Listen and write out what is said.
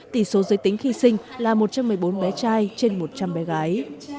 tỷ số giới tính khi sinh là một trăm một mươi bốn bé trai trên một trăm linh bé gái